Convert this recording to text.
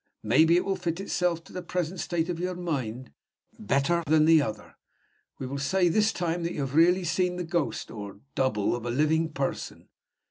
Maybe it will fit itself to the present state of your mind better than the other. We will say this time that you have really seen the ghost (or double) of a living person.